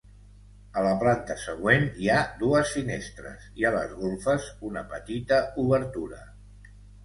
A la planta següent, hi ha dues finestres i a les golfes una petita obertura.